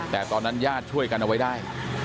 แต่ตอนนั้นญาติช่วยกันเอาไว้ได้